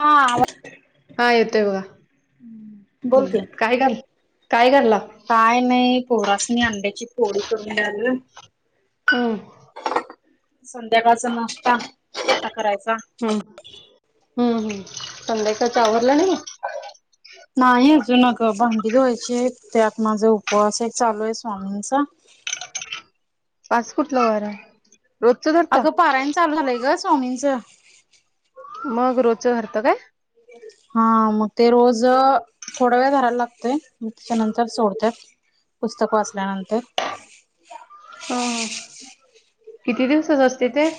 हा [unintelligible] हा येतोय बघा बोल ह् की काय घाल काय घाल्ला काय नाई पोरासनी अंड्याची पोळी करून घ्यालोय. हम. संध्याकाळचा नाष्टा आता करायचा. हम् हम्म संध्याकाळच आवरलं नाही. नाही अजून आग भांडी धुवायचीयेत त्यात माझ उपवासेय चालूयेय स्वामींचा. आज कुठला वार हाय रोजच धरता. पारायन चालु झालंय ग स्वामींच. मग रोच्च धरता काय? हा मग ते रोज अ थोडा वेळ धरायला लागतय म त्याच्यानंतर सोडत पुस्तक वाचल्यानंतर. ह ह किती दिवसाच असतय ते?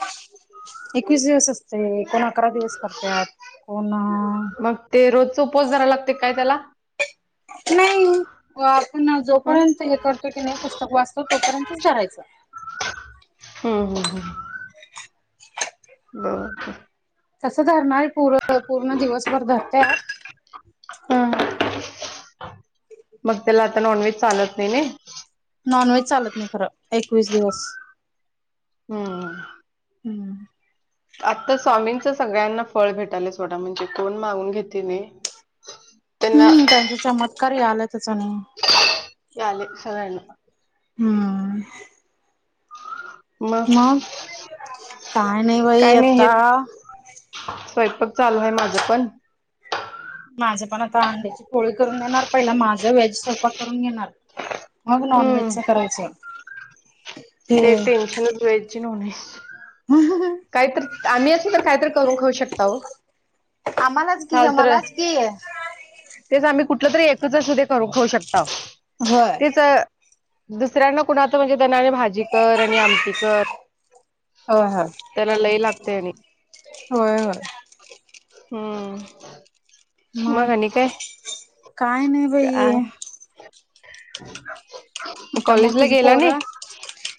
एकवीस दिवस असतय कोण अकरा दिवस करत्यात कोण मग ते रोच्च उपवास धरायला लागतय काय त्याला? नाई. व आपण हं. जोपर्यंत हे करतो की नाही पुस्तक वाचतो तोपर्यंतच धरायचं हम्म हम् ह बर तसं धरणारी पूर पूर्ण दिवसभर धरत्यात ह ह मग त्याला आता नॉन व्हेज चालत नयी नॉन व्हेज चालत नाही खरं एकवीस दिवस. हं. हम् आता स्वामींच सगळ्यांना फळ भेटालेय. सोडा म्हणजे कोण मागून घेते कणी हम्म त्यांचा चमत्कार यायल्यातच आणी यायले सगळ्यांना हम्म. मग काय नाही बाई काय नाही आता हेच स्वयंपाक चालू आहे माझा पण. माझं पण आता अंड्याची पोळी करून देणार. पहिला माझं वेज स्वयंपाक करून घेणार. मग नॉन हम्म व्हेजच करायचं. ते हे टेन्शनच व्हेज च नॉनव्हेज च. काहीतरी त आम्ही आसेल तर काहीतरी करून खाऊ शकता हो. आम्हालाच की चाल तर मलाच की. तेच आम्ही कुठलं तरी एकच शुधे करून खाऊ शकता होय तेच दुसऱ्यांना कुणाला तर म्हणजे त्यांना भाजी कर आणि आमटी कर. होय होय त्याला लई लागतय आणि होय होय. हम्म मग आणी काय? काय नाही का बाई म आता मग काॅलेज ला तुझी गेला नाही पोरं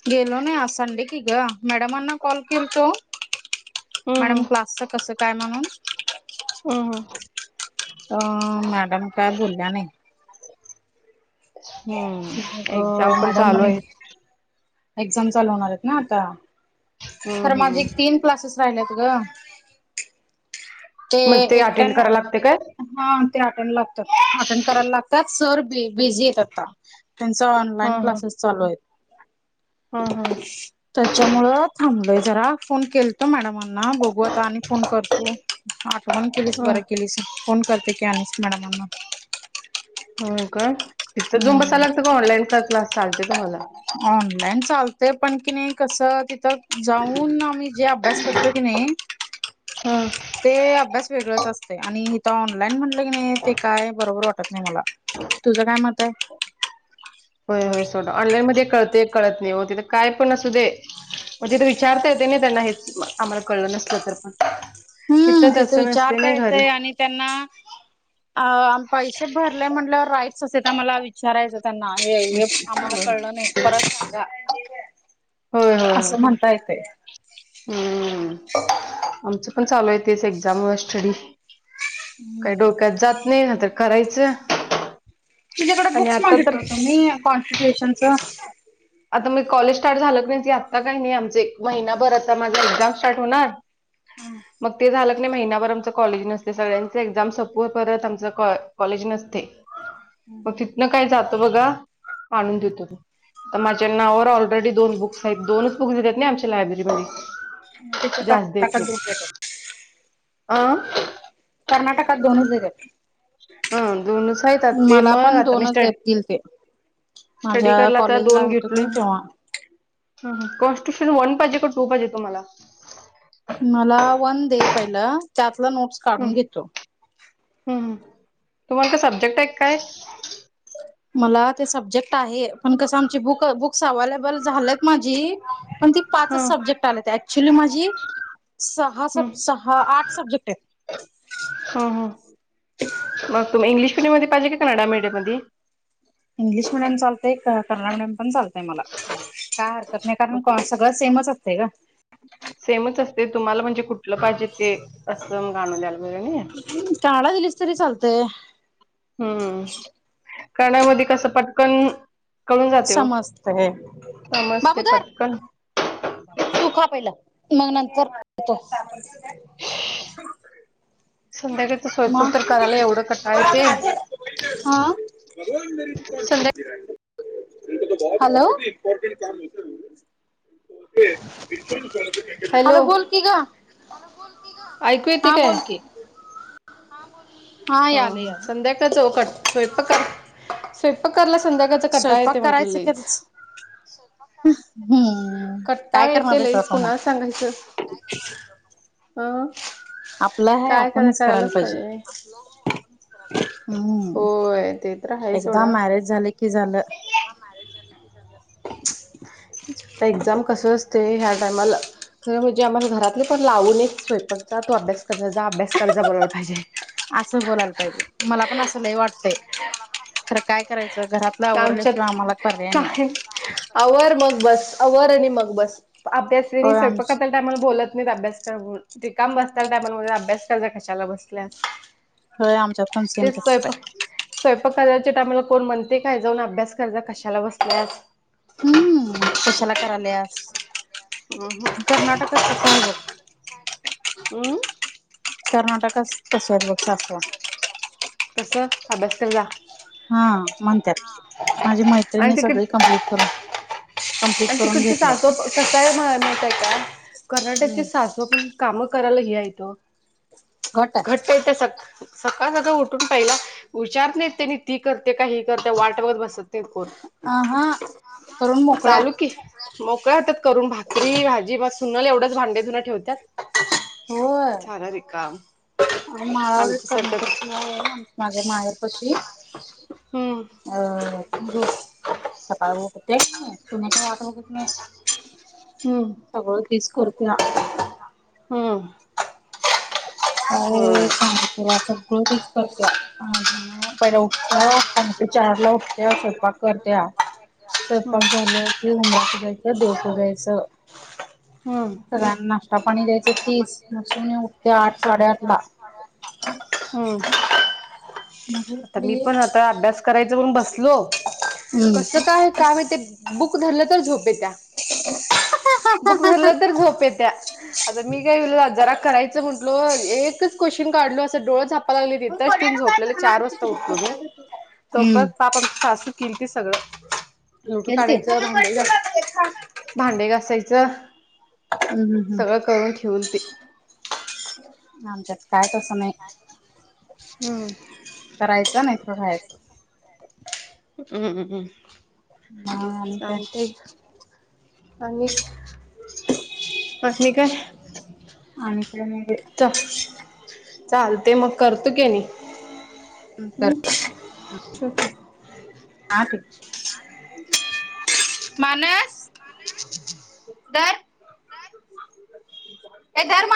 गेलो नाही आज संडे कि ग. मॅडमांना कॉल केलतो हम्म मॅडम हम्म क्लासच कसं काय म्हणून हम्म. अ मॅडम काय बोलल्या नाही. हम् मग एक्झाम पण मॅडम चालू म्हणे आहे. एक्झाम चालू होणारयेत ना आता. हम्म खरं हम्म माझे तीन क्लासेस राहिल्यात ग. ते मग एकट अटेंड ना करायला लागते काय हा ते अटेंड लागतात अटेंड करायला लागतात. सर बी कोण आहे बिझी येत आता. त्यांच हा ऑनलाईन क्लासेस चालू आहेत. हा हा त्याच्यामुळ थांबलोय जरा. फोन केल त मॅडमांना बघू आता आणि फोन करतो, आठवण केलीस हा बरं केलीस. फोन करते की आणिस मॅडमना हो का तिथं जुम हम्म बसायला लागतं का ऑनलाईन का क्लास चालते तुम्हाला? ऑनलाईन चालतंय पण कि नाही कस तिथं जाऊन आम्ही जे अभ्यास कर तिथे की नही हम्म. ते अभ्यास वेगळंच असतये आणि हीत ऑनलाईन म्हणलं की नाही ते काय बरोबर वाटत नाही मला. तुझं काय मत आये? होय होय सोडं ऑनलाईन मध्ये कळते कळत नाही हो तिथ काय पण असू दे? मग तिथ विचारता येत ना त्यांना हेच आम्हाला कळलं नसल तर पण. हम्म तिथ तिथं तस नसते विचारता नाही घरी? येतय आणि त्यांना आ पैसे भरले म्हणल्यावर राईट्स असते आम्हाला विचारायचं. त्यांना ए होय एक आम्हाला होय कळलं नाही परत सांगा. आसं म्हणता येतंय. हम् आमचं पण चालूये तेच एक्झाम व स्टडी. काय डोक्यात जात नाई आता करायच तुझ्याकड बुक्स मागितलं होत मी कॉन्स्टिट्युशनच. आता मी कॉलेज स्टार्ट झालं की [unintelligible] की आत्ता काय मी आमचे महिनाभर आता माझा एक्झाम स्टार्ट होणार. मग ते झालं कणी महिनाभर आमच कॉलेज नसत सगळ्यांन एक्झाम सपव परत आमच काँ-कॉलेज नसतय. मग तिथनं काय जातो बघा आणून देतो की. त माझ्या नावावर ऑलरेडी दोन बुक्स हायत दोनच बुक्स देतात नाय आमच्या लायब्ररीमध्ये. [unintelligible] जास्त देत नाहीत अ करर्नाटकात दोनच देत्यात. ह दोनच हाईत. त ते मग पण आता मी दोनच स्टडी देतील ते [inaudible] स्टडी माझ्या कराला आता कॉलेजला दोन होतो की घेतलोय नाही मी. तेव्हा ह ह कॉनस्टिट्युफन वन पाहिेजे का टू पाहिेजे तुम्हाला? मला वन दे पहिलं त्यातलं नोट्स काढून घेतो. हम् तुम्हाला ते सब्जेक्ट टाय काय? मला ते सब्जेक्ट आहे पण कसं आमची बुक बुक्स अवलेबल झालेत माझी पण ती पाचच हं, सब्जेक्ट आलेत ऍक्च्युली माझी सहा हं, सब सहा आठ सब्जेक्टटेत. ह हम मग तुम्ही इंग्लिश मीडियम मध्ये पाहिजे का कनडा मीडयम मधी? इंग्लिश मिडीयम चालतय क कन्नडा मिडियम पण चालतय मला. काय हरकत नाही कारण सगळं सेमच असतय गं. सेमच असतय तुम्हाला म्हणजे कुठलं पाहिजे ते असं गाणून द्यायला [unintelligible] काढाय दिलीस तरी चालतंय. हम्म करण्यामध्ये कसं पटकन कळून जातय ओ समजतंय समजतंय पटकन. तु खा पहिलं मग नंतर [unintelligible] संध्याकाळचे स्वयंपाक मग तर करायला एवढं कटाळा येतय हा. संध्या हॅलो. हॅलो बोल की ग ऐकू येते हा काय बोल की. हा ह यालं ह यालं संध्याकाळच ओ कट स्वयंपाक कर स्वयंपाक करायला संध्याकाळ स्वयंपाक करायच [unintelligible] हम. कट्टाळा येतोय लयच कुणाला सांगायचं अ आपलं हाय आपणच करायला पाहिजे. हम्म होय ते तर एकदा मॅरेज झालं कि झालं. मॅरेज झालं की झालं. एक्झाम कस असतय ह्या टायमाला खरं म्हणजे आम्हाला घरातले पण लावूनच स्वयंपाकचा तो अभ्यास करजा जा अभ्यास कर्जा बोरायला पाहिजे. आसं बोलायला पाहिजे मला पण असं लय वाटतंय खरं काय कराय च घरातलं आवरल्या आमच्यात शिवाय आम्हाला पर्याय नाई. काय आवर मग बस आवर आणि मग बस अभ्यास्रेणी होय आम स्वयंपाक [unintelligible] [unintelligible] बोलत नाही अभ्यास कर म्हणून रिकाम बसलेल्या टायमाला अभ्यास कर्जा कशाला बसलीयास. होय आमच्यात पण सेम तसंच हाय. स्वयंपाक करायच्या टायमाला कोण म्हणते काय जाऊन अभ्यास कर्जा कशाला बसली आहेस. हम्मम कशाला करालियास. हम्म हम्म. अम्म. कर्नाटकात कसेयत बघ शास्त्र. [inaudible] कस अभ्यास कर जा. हा म्हणतात. माझी आणि मैत्रिणी सगळी तिकडे कम्प्लीट करून कंमप्लीट करून घेतलंय. कसय म्हणताय का. हम्म. कर्नाटकची सासवा पण कामं करायला हेियेतं. घट घट्टय तसत. सकाळ सकाळ उठून पहिला विचार नाहीत त्यांनी ती करते का ही करते वाटगत बसत. अ हा करून मोकळ्या चालू की. मोकळ्या होत्यात करून भाकरी भाजी मग सुनला एवढंच भांडेधुून ठेवतात. झारारी काम. अर माळावर एक करणाटकची आहे माझ्या माहेर पशी. हम्म अ क ब चपा ब होते [unintelligible] त म वाट बघत नाही. हम्म सगळं तीच करत्या. हम्म. अ होय सांगु तुला सगळं तेच करत्या. पहिला उठता. पाहते चारला उठत्या. स्वयंपाक करत्या. हम्म स्वयंपाक झालं की जायचं देव पूजायचं. हम्म सगळ्यांना चहा पाणी द्यायचं तीच. मग सूना उठत्या आठ साडेआठ ला. हम्म. मग आता मी उठली पण आता अभ्यास करायचा म्हणून बसलो. हम्म कसं काय काय वते बुक धरल तर झोप येत्या. बुक धरलं तर झोप येत्या. आता मी काय [unintelligible] करायचं म्हटलो. एकच क्वेशन काढलो असं डोळ झाप झोपालागलेली. तिथच ठेऊन झोपलो चार वाजता उठल ग. तो हम्म परत आमची सासू केलती सगळं. लोटू केलती काढायचं. भांडे घ भांडे घासायचं. हम्म हम्म हम्म. सगळं करून ठेवल ती आमच्या काय तस नाही. हम्म करायचा नाहीतर राहायचं. हम्म हम्म. मग आणि काय चालतय आणि [unintelligible] काय? आणि काय नाही च चालते मग करतो की आणि. हम्म. ह क [unintelligible] माणस धर. ये धर मा